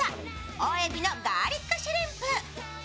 大海老のガーリックシュリンプ。